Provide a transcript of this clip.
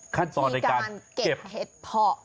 ขั้นตอนในการเก็บเห็ดเพาะ